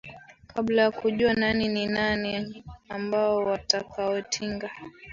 kabla ya kujua nani ni nani ambao watakao tinga